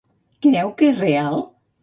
Creu que és real?